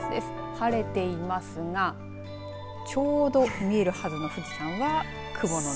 晴れていますがちょうど見えるはずの富士山は雲の中。